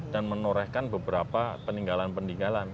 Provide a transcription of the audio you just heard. dan menorehkan beberapa peninggalan peninggalan